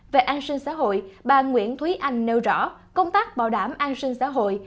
về an sinh xã hội bà nguyễn thúy anh nêu rõ công tác bảo đảm an sinh xã hội